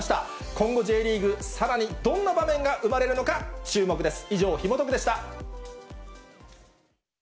今後、Ｊリーグ、さらにどんな場面が生まれるのか、注目です。